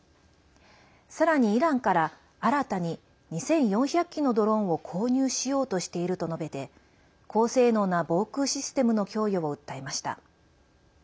さらにイランから新たに２４００機のドローンを購入しようとしていると述べて高性能な防空システムの供与を訴えました。